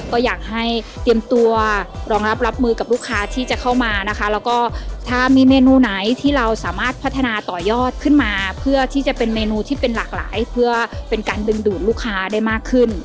ก็อยากให้เตรียมตัวรองรับรับมือกับลูกค้าที่จะเข้ามานะคะแล้วก็ถ้ามีเมนูไหนที่เราสามารถพัฒนาต่อยอดขึ้นมาเพื่อที่จะเป็นเมนูที่เป็นหลากหลายเพื่อเป็นการดึงดูดลูกค้าได้มากขึ้น